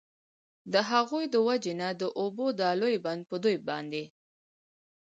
د هغوی د وجي نه د اوبو دا لوی بند په دوی باندي